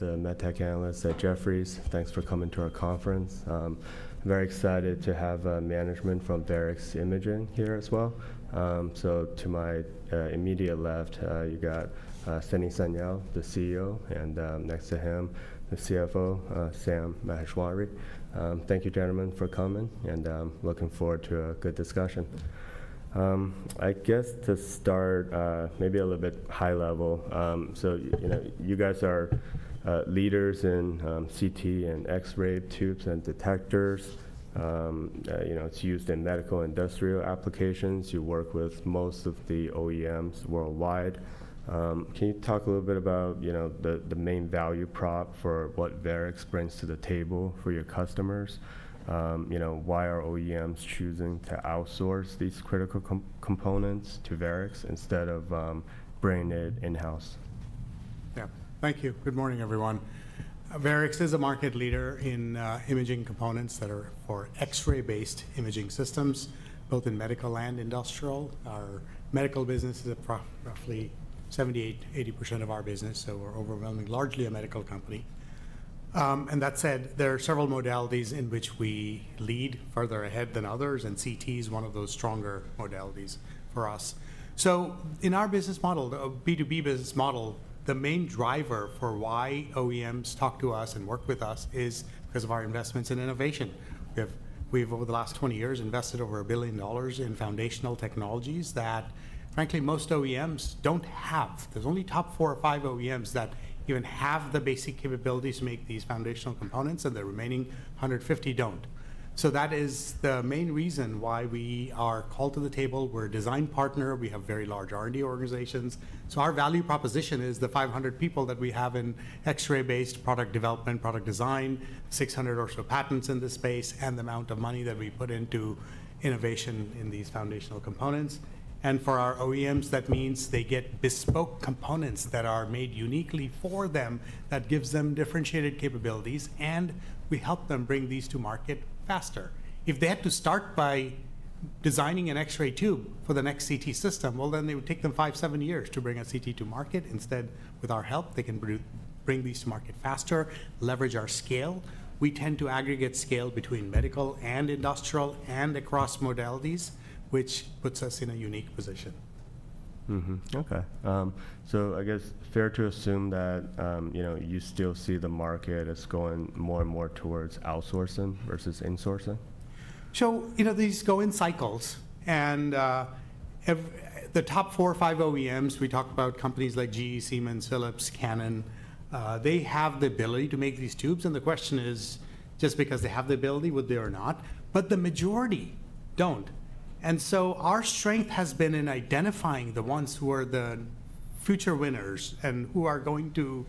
The medtech analyst at Jefferies, thanks for coming to our conference. I'm very excited to have management from Varex Imaging here as well. To my immediate left, you got Sunny Sanyal, the CEO, and next to him, the CFO, Sam Maheshwari. Thank you, gentlemen, for coming, and looking forward to a good discussion. I guess to start, maybe a little bit high level. You guys are leaders in CT and X-ray tubes and detectors. It's used in medical industrial applications. You work with most of the OEMs worldwide. Can you talk a little bit about the main value prop for what Varex brings to the table for your customers? Why are OEMs choosing to outsource these critical components to Varex instead of bringing it in-house? Yeah. Thank you. Good morning, everyone. Varex is a market leader in imaging components that are for X-ray-based imaging systems, both in medical and industrial. Our medical business is roughly 70%-80% of our business, so we're overwhelmingly largely a medical company. That said, there are several modalities in which we lead further ahead than others, and CT is one of those stronger modalities for us. In our business model, the B2B business model, the main driver for why OEMs talk to us and work with us is because of our investments in innovation. We have, over the last 20 years, invested over $1 billion in foundational technologies that, frankly, most OEMs don't have. There's only top four or five OEMs that even have the basic capabilities to make these foundational components, and the remaining 150 don't. That is the main reason why we are called to the table. We're a design partner. We have very large R&D organizations. Our value proposition is the 500 people that we have in X-ray-based product development, product design, 600 or so patents in this space, and the amount of money that we put into innovation in these foundational components. For our OEMs, that means they get bespoke components that are made uniquely for them. That gives them differentiated capabilities, and we help them bring these to market faster. If they had to start by designing an X-ray tube for the next CT system, it would take them five, seven years to bring a CT to market. Instead, with our help, they can bring these to market faster, leverage our scale. We tend to aggregate scale between medical and industrial and across modalities, which puts us in a unique position. OK. So I guess fair to assume that you still see the market as going more and more towards outsourcing versus insourcing? These go in cycles. The top four or five OEMs, we talk about companies like GE, Siemens, Philips, Canon, they have the ability to make these tubes. The question is, just because they have the ability, would they or not? The majority do not. Our strength has been in identifying the ones who are the future winners and who are going to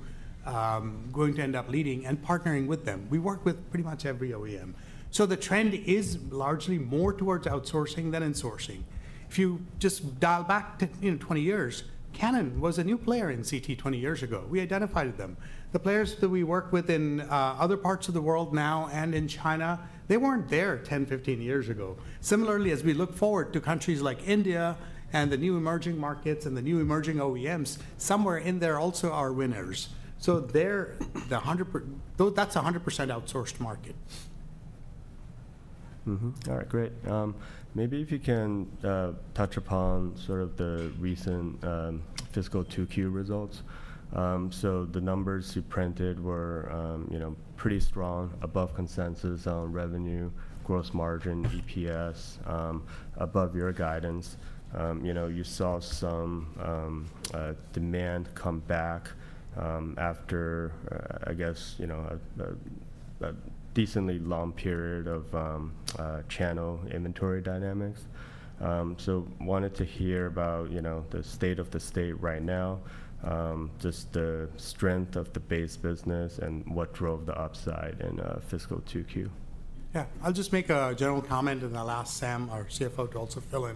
end up leading and partnering with them. We work with pretty much every OEM. The trend is largely more towards outsourcing than insourcing. If you just dial back 20 years, Canon was a new player in CT 20 years ago. We identified them. The players that we work with in other parts of the world now and in China, they were not there 10 years, 15 years ago. Similarly, as we look forward to countries like India and the new emerging markets and the new emerging OEMs, somewhere in there also are winners. So that's 100% outsourced market. All right. Great. Maybe if you can touch upon sort of the recent fiscal 2Q results. So the numbers you printed were pretty strong, above consensus on revenue, gross margin, EPS, above your guidance. You saw some demand come back after, I guess, a decently long period of channel inventory dynamics. Wanted to hear about the state of the state right now, just the strength of the base business and what drove the upside in fiscal 2Q. Yeah. I'll just make a general comment, and I'll ask Sam, our CFO, to also fill in.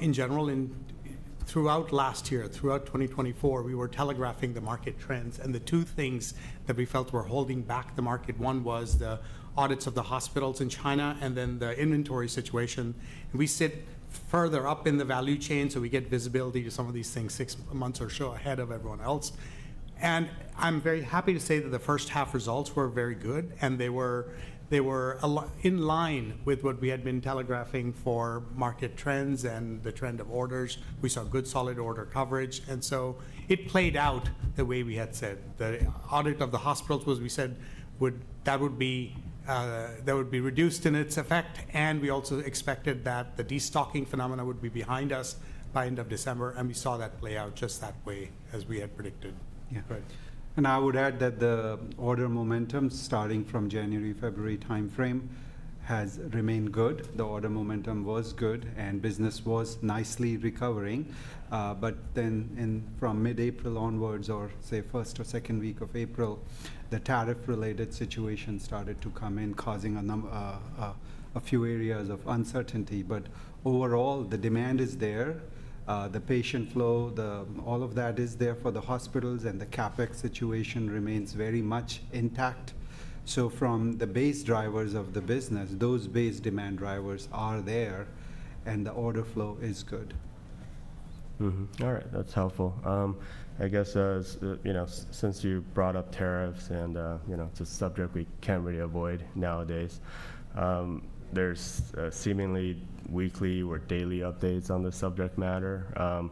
In general, throughout last year, throughout 2024, we were telegraphing the market trends. The two things that we felt were holding back the market, one was the audits of the hospitals in China and then the inventory situation. We sit further up in the value chain, so we get visibility to some of these things six months or so ahead of everyone else. I'm very happy to say that the first half results were very good, and they were in line with what we had been telegraphing for market trends and the trend of orders. We saw good solid order coverage. It played out the way we had said. The audit of the hospitals was, we said, that would be reduced in its effect. We also expected that the destocking phenomena would be behind us by end of December. We saw that play out just that way as we had predicted. Yeah. I would add that the order momentum starting from January, February time frame has remained good. The order momentum was good, and business was nicely recovering. From mid-April onwards, or say first or second week of April, the tariff-related situation started to come in, causing a few areas of uncertainty. Overall, the demand is there. The patient flow, all of that is there for the hospitals. The CapEx situation remains very much intact. From the base drivers of the business, those base demand drivers are there, and the order flow is good. All right. That's helpful. I guess since you brought up tariffs, and it's a subject we can't really avoid nowadays, there's seemingly weekly or daily updates on the subject matter.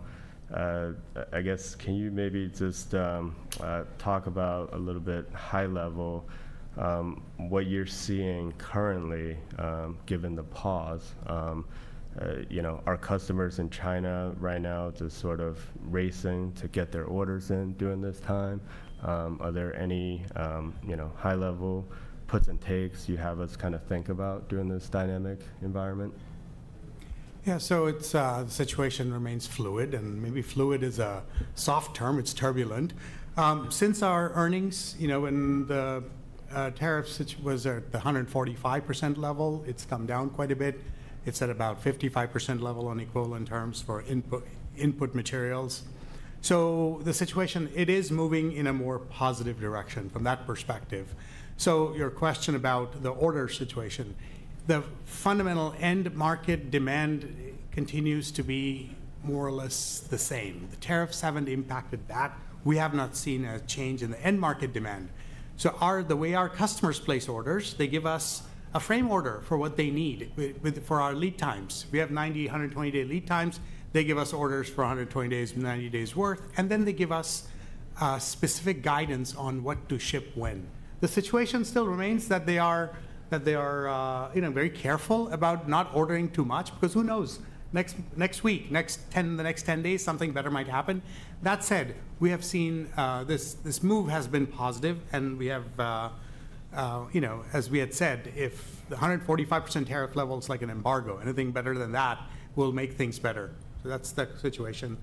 I guess, can you maybe just talk about a little bit high level what you're seeing currently, given the pause? Our customers in China right now just sort of racing to get their orders in during this time. Are there any high level puts and takes you have us kind of think about during this dynamic environment? Yeah. The situation remains fluid. Maybe fluid is a soft term. It's turbulent. Since our earnings and the tariffs was at the 145% level, it's come down quite a bit. It's at about 55% level on equivalent terms for input materials. The situation, it is moving in a more positive direction from that perspective. Your question about the order situation, the fundamental end market demand continues to be more or less the same. The tariffs haven't impacted that. We have not seen a change in the end market demand. The way our customers place orders, they give us a frame order for what they need for our lead times. We have 90-day, 120-day lead times. They give us orders for 120 days, 90 days' worth. Then they give us specific guidance on what to ship when. The situation still remains that they are very careful about not ordering too much, because who knows? Next week, the next 10 days, something better might happen. That said, we have seen this move has been positive. As we had said, if the 145% tariff level is like an embargo, anything better than that will make things better. That is the situation.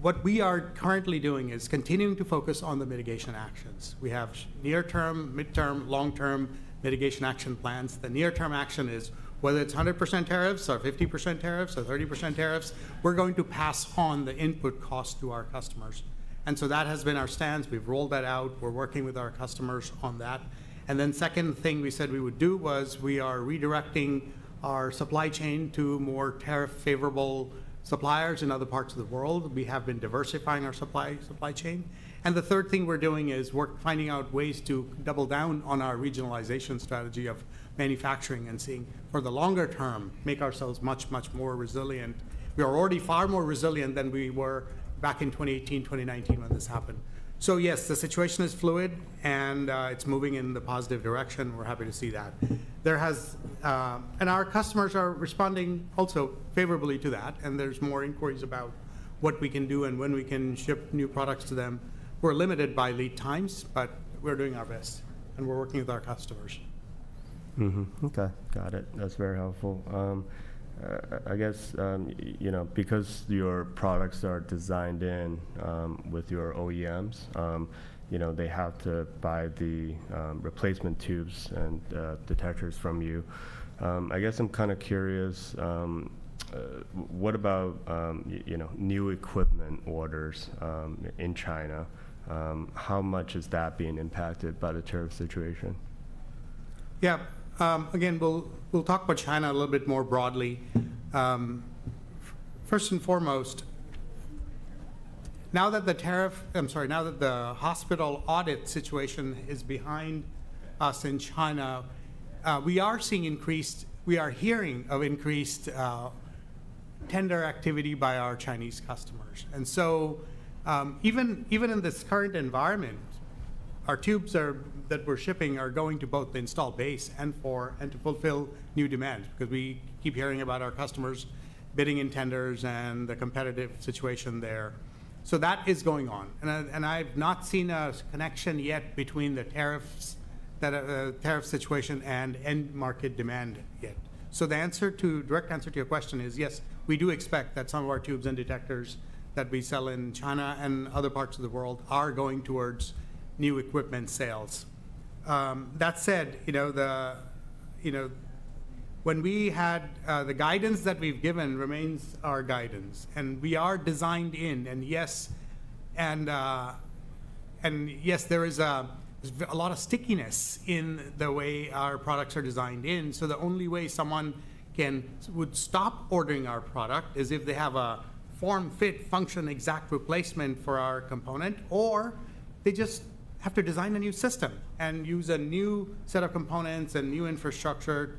What we are currently doing is continuing to focus on the mitigation actions. We have near-term, mid-term, long-term mitigation action plans. The near-term action is, whether it is 100% tariffs or 50% tariffs or 30% tariffs, we are going to pass on the input cost to our customers. That has been our stance. We have rolled that out. We are working with our customers on that. The second thing we said we would do was we are redirecting our supply chain to more tariff-favorable suppliers in other parts of the world. We have been diversifying our supply chain. The third thing we're doing is finding out ways to double down on our regionalization strategy of manufacturing and seeing, for the longer term, make ourselves much, much more resilient. We are already far more resilient than we were back in 2018, 2019 when this happened. Yes, the situation is fluid, and it's moving in the positive direction. We're happy to see that. Our customers are responding also favorably to that. There are more inquiries about what we can do and when we can ship new products to them. We're limited by lead times, but we're doing our best. We're working with our customers. OK. Got it. That's very helpful. I guess because your products are designed in with your OEMs, they have to buy the replacement tubes and detectors from you. I guess I'm kind of curious, what about new equipment orders in China? How much is that being impacted by the tariff situation? Yeah. Again, we'll talk about China a little bit more broadly. First and foremost, now that the tariff, I'm sorry, now that the hospital audit situation is behind us in China, we are seeing increased—we are hearing of increased tender activity by our Chinese customers. Even in this current environment, our tubes that we're shipping are going to both install base and to fulfill new demand, because we keep hearing about our customers bidding in tenders and the competitive situation there. That is going on. I've not seen a connection yet between the tariff situation and end market demand yet. The direct answer to your question is, yes, we do expect that some of our tubes and detectors that we sell in China and other parts of the world are going towards new equipment sales. That said, when we had the guidance that we've given remains our guidance. We are designed in. Yes, there is a lot of stickiness in the way our products are designed in. The only way someone would stop ordering our product is if they have a form, fit, function exact replacement for our component, or they just have to design a new system and use a new set of components and new infrastructure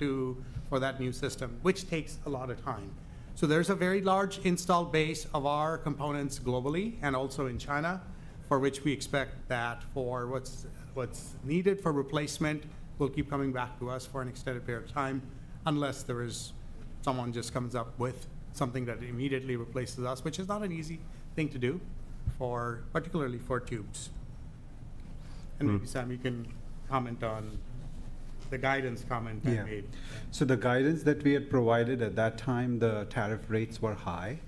for that new system, which takes a lot of time. There is a very large install base of our components globally and also in China, for which we expect that for what's needed for replacement will keep coming back to us for an extended period of time, unless someone just comes up with something that immediately replaces us, which is not an easy thing to do, particularly for tubes. Maybe, Sam, you can comment on the guidance comment that we made. Yeah. The guidance that we had provided at that time, the tariff rates were high.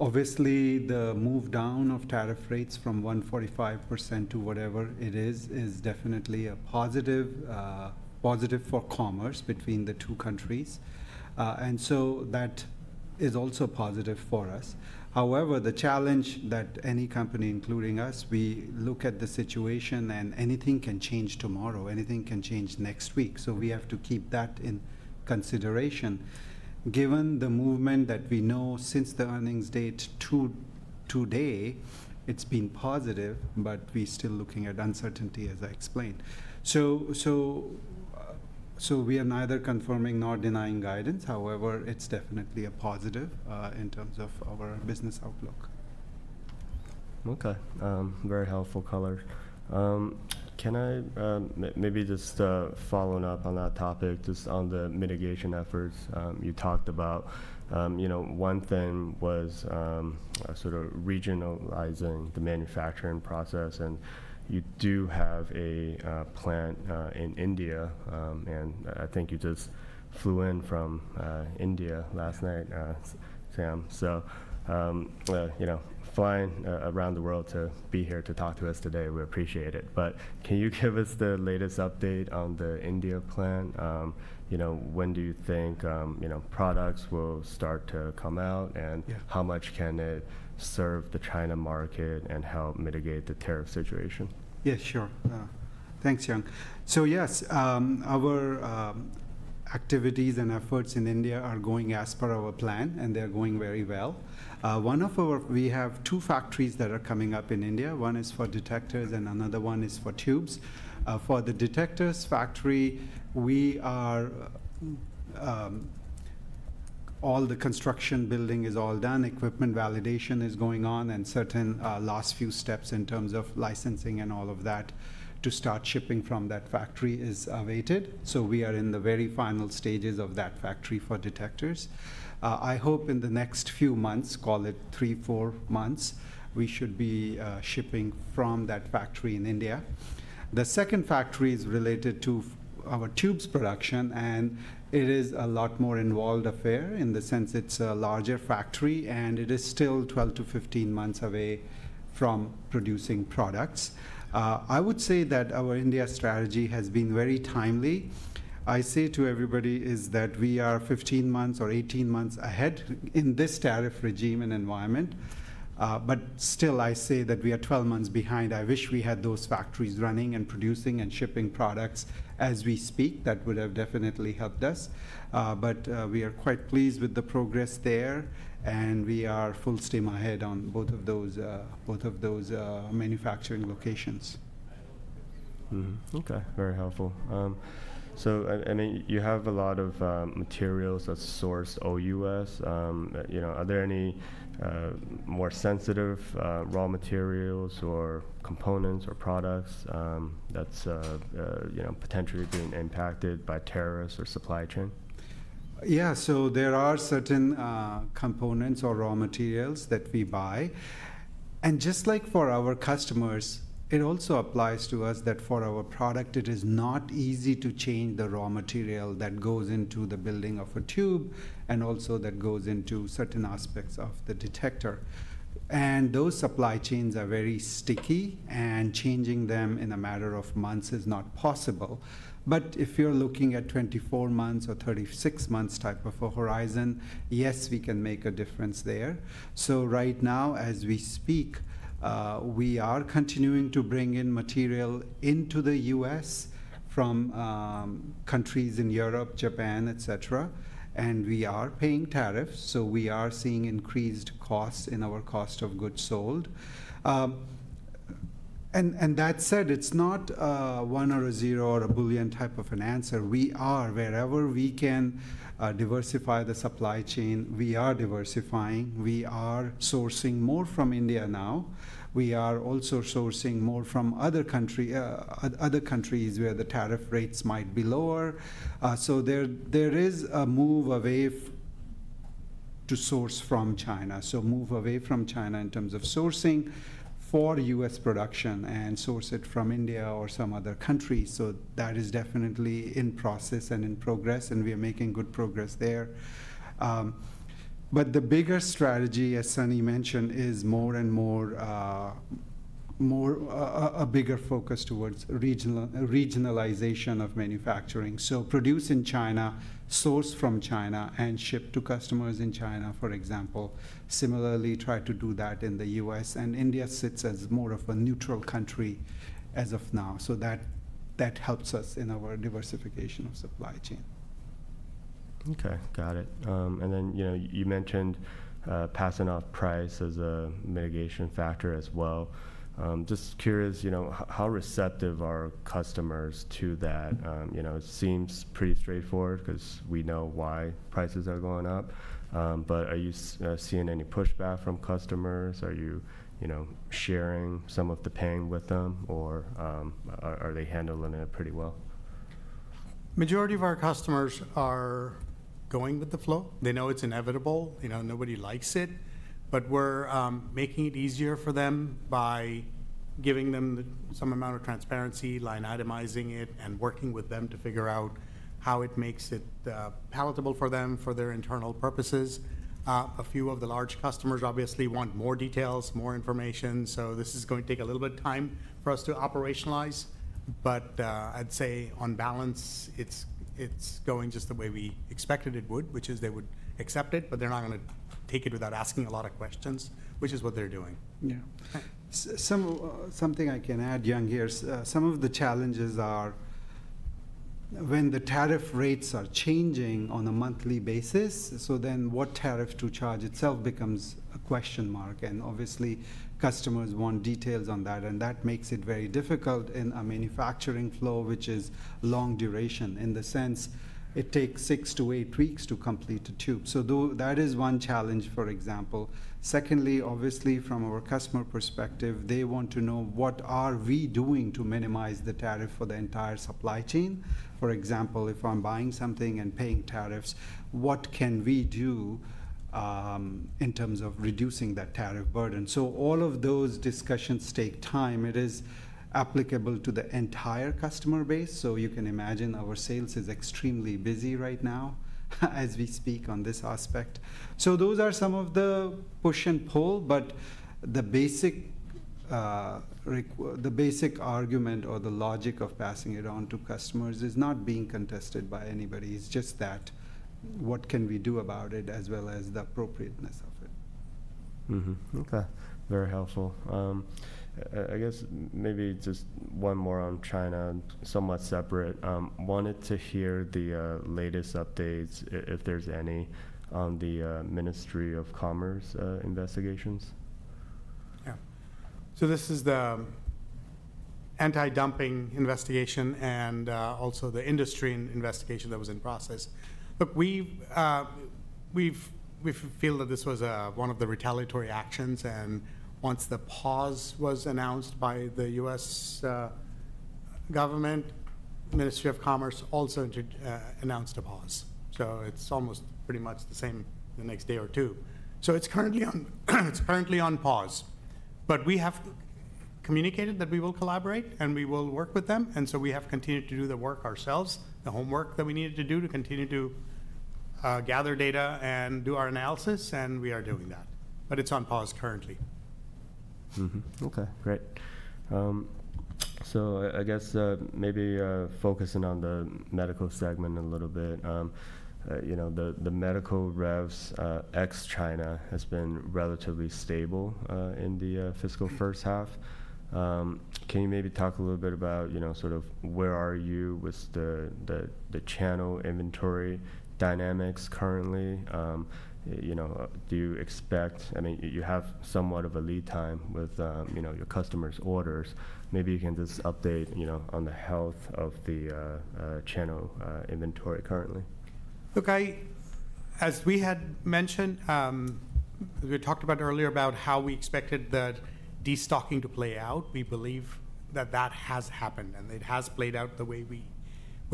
Obviously, the move down of tariff rates from 145% to whatever it is is definitely a positive for commerce between the two countries. That is also positive for us. However, the challenge that any company, including us, we look at the situation, and anything can change tomorrow. Anything can change next week. We have to keep that in consideration. Given the movement that we know since the earnings date today, it's been positive, but we're still looking at uncertainty, as I explained. We are neither confirming nor denying guidance. However, it's definitely a positive in terms of our business outlook. OK. Very helpful, color. Can I maybe just follow up on that topic, just on the mitigation efforts you talked about? One thing was sort of regionalizing the manufacturing process. You do have a plant in India. I think you just flew in from India last night, Sam. Flying around the world to be here to talk to us today, we appreciate it. Can you give us the latest update on the India plant? When do you think products will start to come out, and how much can it serve the China market and help mitigate the tariff situation? Yeah. Sure. Thanks, Yang. Yes, our activities and efforts in India are going as per our plan, and they're going very well. We have two factories that are coming up in India. One is for detectors, and another one is for tubes. For the detectors factory, all the construction building is all done. Equipment validation is going on. Certain last few steps in terms of licensing and all of that to start shipping from that factory is awaited. We are in the very final stages of that factory for detectors. I hope in the next few months, call it three, four months, we should be shipping from that factory in India. The second factory is related to our tubes production. It is a lot more involved affair in the sense it's a larger factory. It is still 12 months-15 months away from producing products. I would say that our India strategy has been very timely. I say to everybody is that we are 15 months or 18 months ahead in this tariff regime and environment. I say that we are 12 months behind. I wish we had those factories running and producing and shipping products as we speak. That would have definitely helped us. We are quite pleased with the progress there. We are full steam ahead on both of those manufacturing locations. OK. Very helpful. I mean, you have a lot of materials that source OUS. Are there any more sensitive raw materials or components or products that's potentially being impacted by tariffs or supply chain? Yeah. There are certain components or raw materials that we buy. Just like for our customers, it also applies to us that for our product, it is not easy to change the raw material that goes into the building of a tube and also that goes into certain aspects of the detector. Those supply chains are very sticky. Changing them in a matter of months is not possible. If you are looking at 24 months or 36 months type of a horizon, yes, we can make a difference there. Right now, as we speak, we are continuing to bring in material into the U.S. from countries in Europe, Japan, et cetera. We are paying tariffs. We are seeing increased costs in our cost of goods sold. That said, it is not a one or a zero or a billion type of an answer. We are, wherever we can diversify the supply chain, we are diversifying. We are sourcing more from India now. We are also sourcing more from other countries where the tariff rates might be lower. There is a move away to source from China, a move away from China in terms of sourcing for U.S. production and source it from India or some other country. That is definitely in process and in progress. We are making good progress there. The bigger strategy, as Sunny mentioned, is a bigger focus towards regionalization of manufacturing. Produce in China, source from China, and ship to customers in China, for example. Similarly, try to do that in the U.S. India sits as more of a neutral country as of now. That helps us in our diversification of supply chain. OK. Got it. You mentioned passing off price as a mitigation factor as well. Just curious, how receptive are customers to that? It seems pretty straightforward, because we know why prices are going up. Are you seeing any pushback from customers? Are you sharing some of the pain with them? Are they handling it pretty well? Majority of our customers are going with the flow. They know it's inevitable. Nobody likes it. We're making it easier for them by giving them some amount of transparency, line itemizing it, and working with them to figure out how it makes it palatable for them for their internal purposes. A few of the large customers obviously want more details, more information. This is going to take a little bit of time for us to operationalize. I'd say, on balance, it's going just the way we expected it would, which is they would accept it. They're not going to take it without asking a lot of questions, which is what they're doing. Yeah. Something I can add, Yang, here is some of the challenges are when the tariff rates are changing on a monthly basis. What tariff to charge itself becomes a question mark. Obviously, customers want details on that. That makes it very difficult in a manufacturing flow, which is long duration in the sense it takes six to eight weeks to complete a tube. That is one challenge, for example. Secondly, obviously, from our customer perspective, they want to know what are we doing to minimize the tariff for the entire supply chain. For example, if I'm buying something and paying tariffs, what can we do in terms of reducing that tariff burden? All of those discussions take time. It is applicable to the entire customer base. You can imagine our sales is extremely busy right now as we speak on this aspect. Those are some of the push and pull. The basic argument or the logic of passing it on to customers is not being contested by anybody. It's just that, what can we do about it, as well as the appropriateness of it. OK. Very helpful. I guess maybe just one more on China, somewhat separate. Wanted to hear the latest updates, if there's any, on the Ministry of Commerce investigations. Yeah. This is the anti-dumping investigation and also the industry investigation that was in process. We feel that this was one of the retaliatory actions. Once the pause was announced by the U.S. government, the Ministry of Commerce also announced a pause. It was almost pretty much the same the next day or two. It is currently on pause. We have communicated that we will collaborate, and we will work with them. We have continued to do the work ourselves, the homework that we needed to do to continue to gather data and do our analysis. We are doing that. It is on pause currently. OK. Great. I guess maybe focusing on the medical segment a little bit. The medical revs ex China has been relatively stable in the fiscal first half. Can you maybe talk a little bit about sort of where are you with the channel inventory dynamics currently? Do you expect—I mean, you have somewhat of a lead time with your customers' orders. Maybe you can just update on the health of the channel inventory currently. OK. As we had mentioned, we talked about earlier about how we expected the destocking to play out. We believe that that has happened. It has played out the way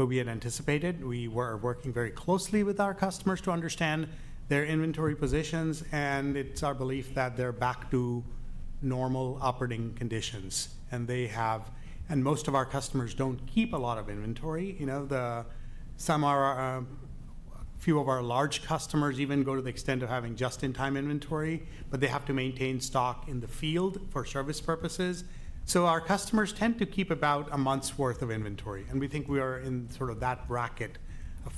we had anticipated. We were working very closely with our customers to understand their inventory positions. It is our belief that they are back to normal operating conditions. Most of our customers do not keep a lot of inventory. A few of our large customers even go to the extent of having just-in-time inventory. They have to maintain stock in the field for service purposes. Our customers tend to keep about a month's worth of inventory. We think we are in sort of that bracket.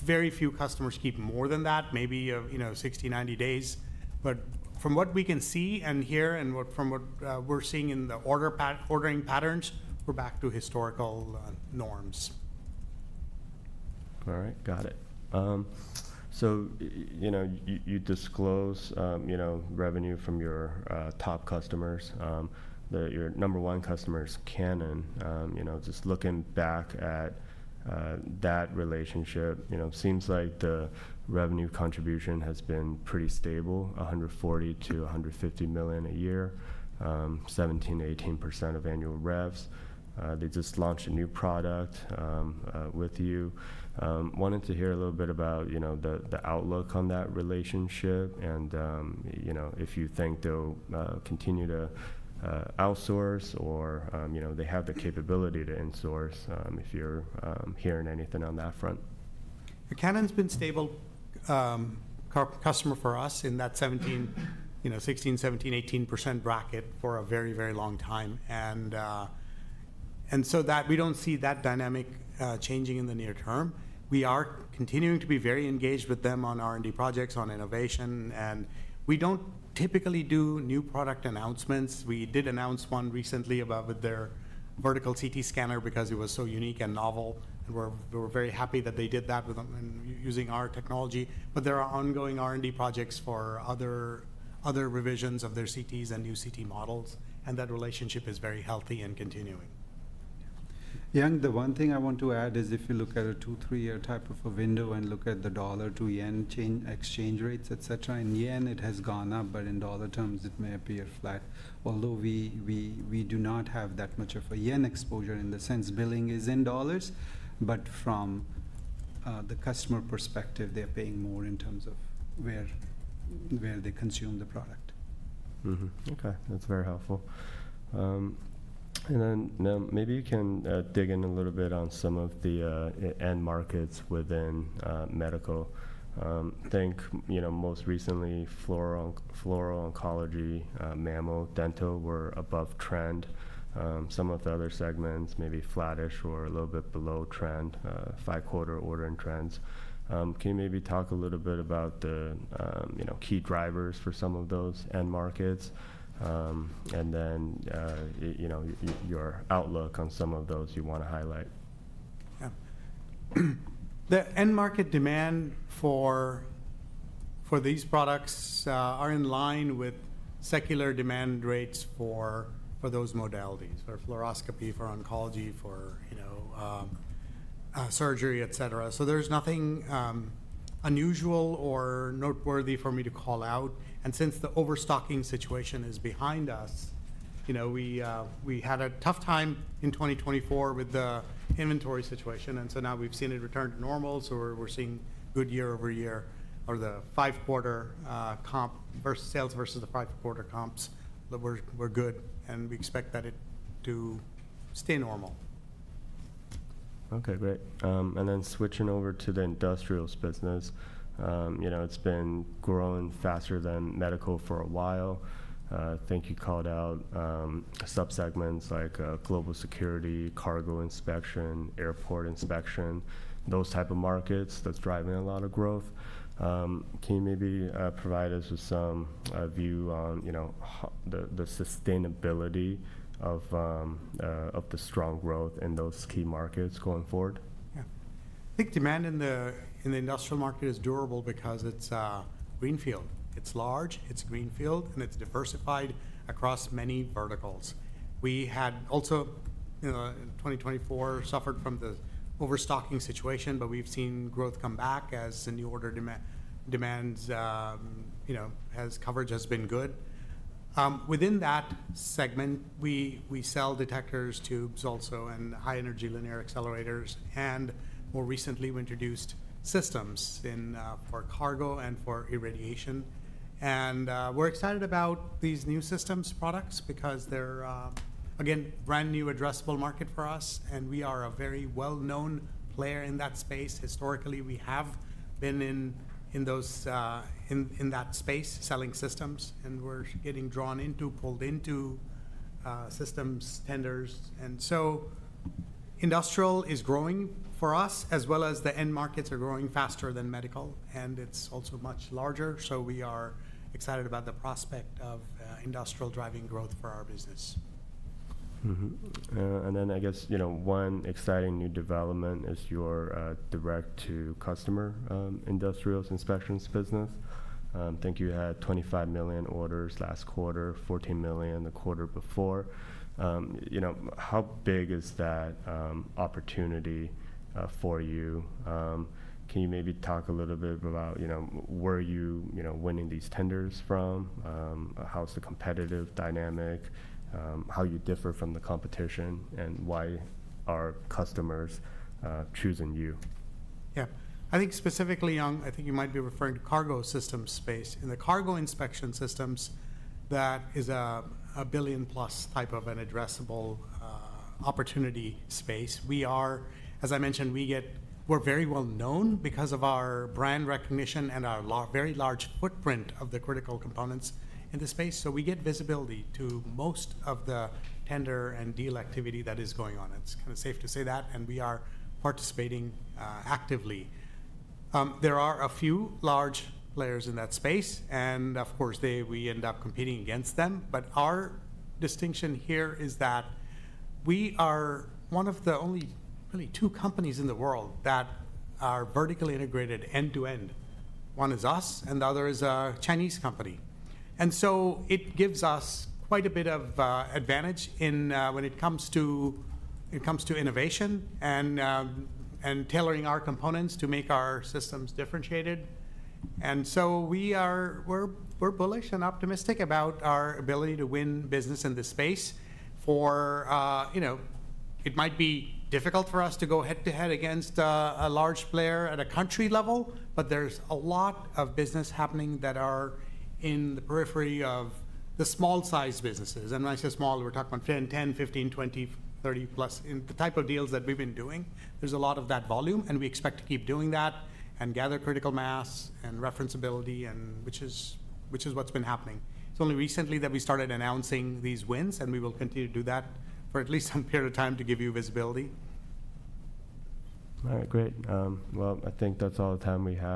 Very few customers keep more than that, maybe 60 days-90 days. From what we can see and hear and from what we're seeing in the ordering patterns, we're back to historical norms. All right. Got it. So you disclose revenue from your top customers, your number one customer is Canon. Just looking back at that relationship, it seems like the revenue contribution has been pretty stable, $140 million-$150 million a year, 17%-18% of annual revs. They just launched a new product with you. Wanted to hear a little bit about the outlook on that relationship and if you think they'll continue to outsource or they have the capability to insource if you're hearing anything on that front. Canon's been a stable customer for us in that 16%-17%-18% bracket for a very, very long time. We don't see that dynamic changing in the near term. We are continuing to be very engaged with them on R&D projects, on innovation. We don't typically do new product announcements. We did announce one recently about their vertical CT scanner because it was so unique and novel. We were very happy that they did that using our technology. There are ongoing R&D projects for other revisions of their CTs and new CT models. That relationship is very healthy and continuing. Yang, the one thing I want to add is if you look at a two- to three-year type of a window and look at the dollar to yen exchange rates, et cetera, in yen it has gone up. In dollar terms, it may appear flat. Although we do not have that much of a yen exposure in the sense billing is in dollars. From the customer perspective, they're paying more in terms of where they consume the product. OK. That's very helpful. Maybe you can dig in a little bit on some of the end markets within medical. I think most recently, fluoro, oncology, mammo, dental were above trend. Some of the other segments, maybe flattish or a little bit below trend, five-quarter ordering trends. Can you maybe talk a little bit about the key drivers for some of those end markets? Then your outlook on some of those you want to highlight. Yeah. The end market demand for these products is in line with secular demand rates for those modalities, for fluoroscopy, for oncology, for surgery, et cetera. There is nothing unusual or noteworthy for me to call out. Since the overstocking situation is behind us, we had a tough time in 2024 with the inventory situation. Now we have seen it return to normal. We are seeing good year over year, or the five-quarter comp sales versus the five-quarter comps. We are good. We expect that to stay normal. OK. Great. Switching over to the industrials business. It's been growing faster than medical for a while. I think you called out subsegments like global security, cargo inspection, airport inspection, those type of markets that's driving a lot of growth. Can you maybe provide us with some view on the sustainability of the strong growth in those key markets going forward? Yeah. I think demand in the industrial market is durable because it's greenfield. It's large. It's greenfield. And it's diversified across many verticals. We had also, in 2024, suffered from the overstocking situation. But we've seen growth come back as the new order demand coverage has been good. Within that segment, we sell detectors, tubes also, and high-energy linear accelerators. More recently, we introduced systems for cargo and for irradiation. We're excited about these new systems products because they're, again, a brand new addressable market for us. We are a very well-known player in that space. Historically, we have been in that space selling systems. We're getting drawn into, pulled into systems, tenders. Industrial is growing for us, as well as the end markets are growing faster than medical. It's also much larger. We are excited about the prospect of industrial driving growth for our business. I guess one exciting new development is your direct-to-customer industrials inspections business. I think you had $25 million orders last quarter, $14 million the quarter before. How big is that opportunity for you? Can you maybe talk a little bit about where are you winning these tenders from? How's the competitive dynamic? How do you differ from the competition? And why are customers choosing you? Yeah. I think specifically, Yang, I think you might be referring to cargo systems space. In the cargo inspection systems, that is a billion-plus type of an addressable opportunity space. As I mentioned, we are very well known because of our brand recognition and our very large footprint of the critical components in the space. We get visibility to most of the tender and deal activity that is going on. It is kind of safe to say that. We are participating actively. There are a few large players in that space. Of course, we end up competing against them. Our distinction here is that we are one of the only, really, two companies in the world that are vertically integrated end-to-end. One is us, and the other is a Chinese company. It gives us quite a bit of advantage when it comes to innovation and tailoring our components to make our systems differentiated. We are bullish and optimistic about our ability to win business in this space. It might be difficult for us to go head-to-head against a large player at a country level. There is a lot of business happening that are in the periphery of the small-sized businesses. When I say small, we are talking about 10, 15, 20, 30+. In the type of deals that we have been doing, there is a lot of that volume. We expect to keep doing that and gather critical mass and referenceability, which is what has been happening. It is only recently that we started announcing these wins. We will continue to do that for at least some period of time to give you visibility. All right. Great. I think that's all the time we have.